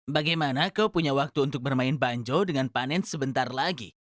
bagaimana kau punya waktu untuk bermain banjo dengan panen sebentar lagi